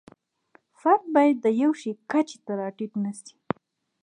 فرد باید د یوه شي کچې ته را ټیټ نشي.